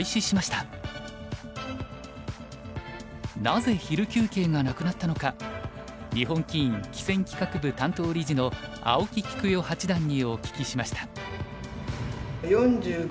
なぜ昼休憩がなくなったのか日本棋院棋戦企画部担当理事の青木喜久代八段にお聞きしました。